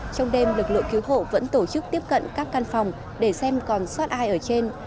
trong đêm lực lượng cứu hộ vẫn tổ chức tiếp cận các căn phòng để xem còn xót ai ở trên